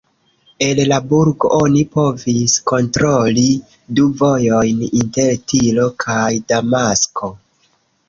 El la burgo oni povis kontroli du vojojn inter Tiro kaj Damasko.